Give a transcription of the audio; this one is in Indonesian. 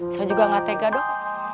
saya juga gak tega dong